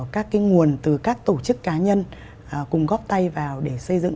các cái nguồn từ các tổ chức cá nhân cùng góp tay vào để xây dựng